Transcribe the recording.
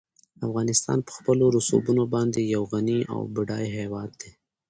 افغانستان په خپلو رسوبونو باندې یو غني او بډای هېواد دی.